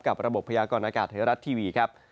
กับระบบพยากรณากาศธิรัตน์ทีวีครับ